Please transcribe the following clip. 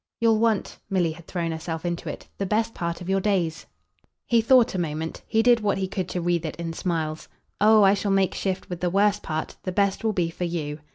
"You'll want" Milly had thrown herself into it "the best part of your days." He thought a moment: he did what he could to wreathe it in smiles. "Oh I shall make shift with the worst part. The best will be for YOU."